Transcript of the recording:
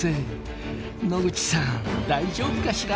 野口さん大丈夫かしら？